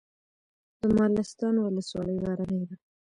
د مالستان ولسوالۍ غرنۍ ده